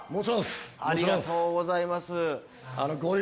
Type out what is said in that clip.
ありがとうございます。